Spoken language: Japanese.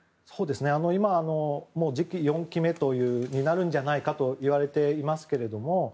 今、次期４期目になるんじゃないかといわれていますけども。